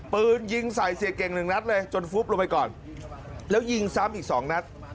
ปืนยิงใส่เสียเก่งหนึ่งนัดเลยจนฟุบลงไปก่อนแล้วยิงซ้ำอีกสองนัด